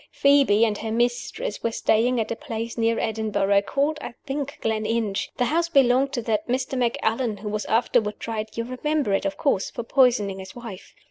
Phoebe and her mistress were staying at a place near Edinburgh, called (I think) Gleninch. The house belonged to that Mr. Macallan who was afterward tried you remember it, of course? for poisoning his wife.